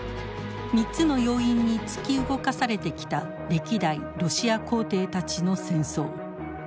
３つの要因に突き動かされてきた歴代ロシア皇帝たちの戦争。